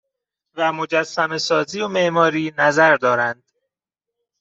و مجسمهسازی و معماری نظر دارند